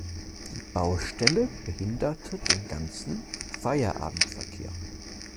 Die Baustelle behinderte den ganzen Feierabendverkehr.